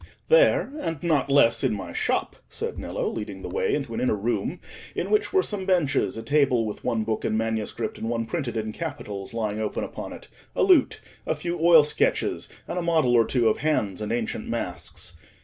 "There, and not less in my shop," said Nello, leading the way into the inner room, in which were some benches, a table, with one book in manuscript and one printed in capitals lying open upon it, a lute, a few oil sketches, and a model or two of hands and ancient masks.